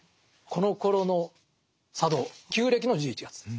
このころの佐渡旧暦の１１月です。